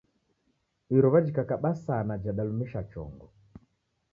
Iruwa jhikakaba sana jadalumisha chongo